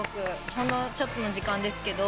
ほんのちょっとの時間ですけど。